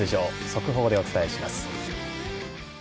速報でお伝えします。